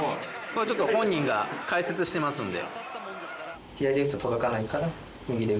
ちょっと本人が解説してますんで。